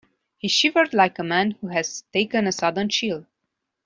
He shivered like a man who has taken a sudden chill.